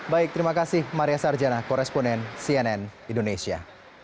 baik terima kasih maria sarjana koresponen cnn indonesia